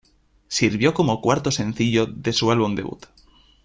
Sirvió como cuarto sencillo de su álbum debut.